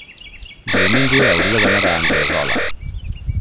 diumenge hauria d'anar a Anglesola.